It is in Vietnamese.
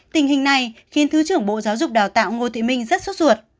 tình hình này khiến thứ trưởng bộ giáo dục đào tạo ngô thị minh rất sốt ruột